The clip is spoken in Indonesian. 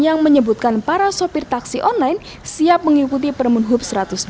yang menyebutkan para sopir taksi online siap mengikuti permen hub satu ratus dua puluh